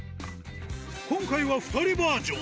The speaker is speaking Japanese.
今回は２人バージョン。